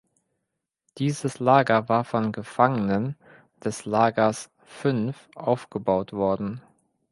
Dieses Lager war von Gefangenen des Lagers "V" aufgebaut worden.